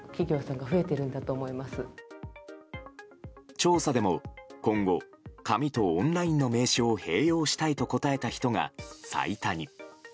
調査でも今後、紙とオンラインの名刺を併用したいと答えた人が最多に。